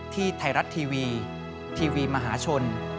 ที่ไทยรัฐทีวีทีวีมหาชน